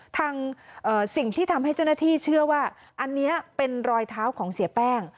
สิ่งที่ทำให้เจ้าหน้าที่เชื่อว่าอันนี้เป็นรอยเท้าของเสียแป้ง